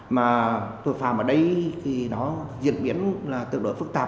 mà tội phạm ở đây thì nó diễn biến là tương đối phức tạp